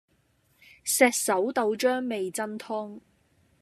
石狩豆漿味噌湯